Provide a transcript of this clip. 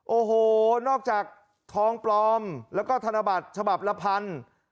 โอ้โหนอกจากทองปลอมแล้วก็ธนบัตรฉบับละพัน